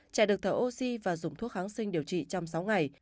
trẻ được thở oxy và dùng thuốc kháng sinh điều trị trong sáu ngày